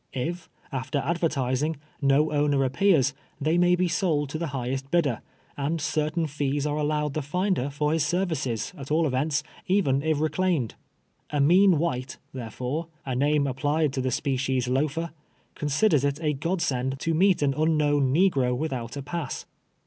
If, after advertising, no owner appears, they may be sold to the highest bidder; and certain fees are allowed the finder for his services, at all events, even if reclaimed. "A mean white," there fore, — a name ap})lied to the species loafer — con siders it a god send to meet an unknown negro with out a pass.